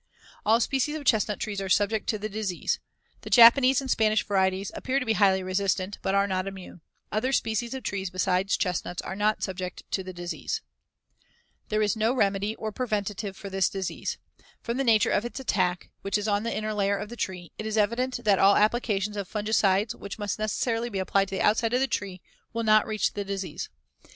All species of chestnut trees are subject to the disease. The Japanese and Spanish varieties appear to be highly resistant, but are not immune. Other species of trees besides chestnuts are not subject to the disease. [Illustration: FIG. 111. Chestnut Trees Killed by the Chestnut Disease.] There is no remedy or preventive for this disease. From the nature of its attack, which is on the inner layer of the tree, it is evident that all applications of fungicides, which must necessarily be applied to the outside of the tree, will not reach the disease.